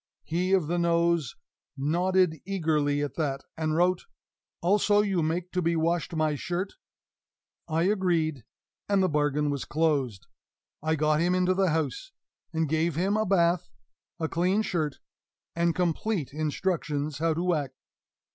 He of the nose nodded eagerly at that, and wrote, "Also you make to be washed my shirt?" I agreed; and the bargain was closed. I got him into the house, and gave him a bath, a clean shirt, and complete instructions how to act.